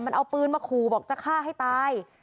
มันเอาปืนมาขู่บอกจะฆ่าให้ตาย